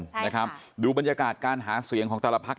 ใช่ค่ะดูบรรยากาศการหาเสียงของทักละภักรณ์